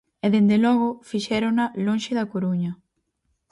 E dende logo, fixérona lonxe da Coruña.